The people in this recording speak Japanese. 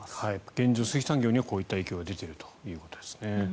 現状、水産業にはこういった影響が出ているということですね。